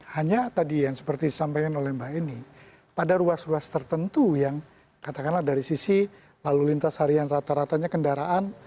hanya tadi yang seperti disampaikan oleh mbak ini pada ruas ruas tertentu yang katakanlah dari sisi lalu lintas harian rata ratanya kendaraan